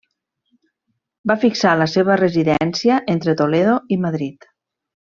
Va fixar la seva residència entre Toledo i Madrid.